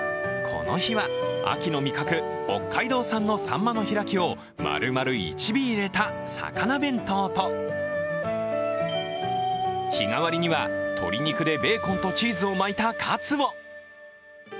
この日は、秋の味覚北海道産のサンマの開きを丸々１尾入れた魚弁当と日替りには、鶏肉でベーコンとチーズを巻いたカツを。